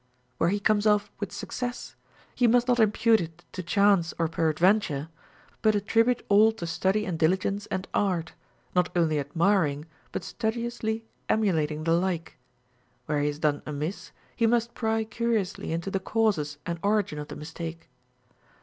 Where he comes off Avith success he must not impute it to chance or peradventure, but at tribute all to study and diligence and art, not only admiring but studiously emulating the like ; where he has done amiss, he must pry curiously into the causes and origin of the mistake.